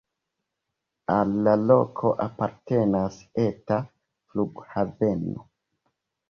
Al la loko apartenas eta flughaveno.